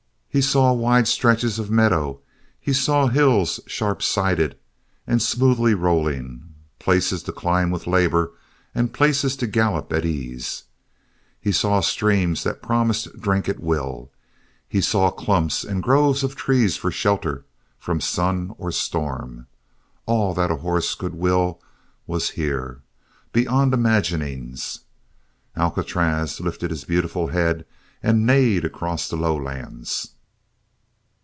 He saw wide stretches of meadow; he saw hills sharpsided and smoothly rolling places to climb with labor and places to gallop at ease. He saw streams that promised drink at will; he saw clumps and groves of trees for shelter from sun or storm. All that a horse could will was here, beyond imaginings. Alcatraz lifted his beautiful head and neighed across the lowlands.